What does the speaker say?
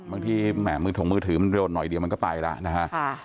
บางทีแหมมือถงมือถือมันเร็วหน่อยเดียวมันก็ไปแล้วนะฮะ